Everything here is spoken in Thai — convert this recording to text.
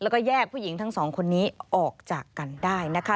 แล้วก็แยกผู้หญิงทั้งสองคนนี้ออกจากกันได้นะคะ